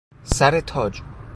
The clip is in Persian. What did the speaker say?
سر تاج